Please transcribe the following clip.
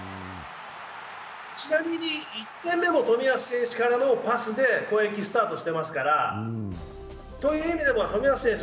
ちなみに１点目も富安選手からのパスで攻撃スタートしていますからそういう意味での冨安選手